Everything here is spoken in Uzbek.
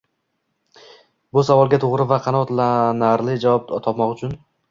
Bu savolga to’g’ri va qanoatlanarli javob topmoq uchun